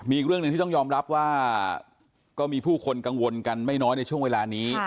อีกเรื่องหนึ่งที่ต้องยอมรับว่าก็มีผู้คนกังวลกันไม่น้อยในช่วงเวลานี้